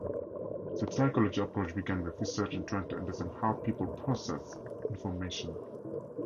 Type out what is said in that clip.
The psychology approach began with research in trying to understand how people process information.